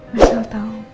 mas al tahu